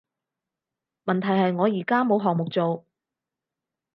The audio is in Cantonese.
問題係我而家冇項目做